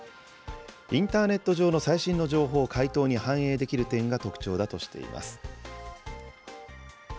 インターネット上の最新の情報を回答に反映できる点が特徴だとしています。